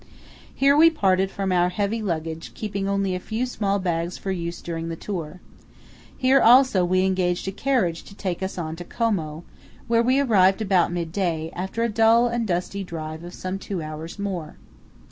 Here we parted from our heavy luggage, keeping only a few small bags for use during the tour. Here also we engaged a carriage to take us on to Como, where we arrived about midday, after a dull and dusty drive of some two hours more.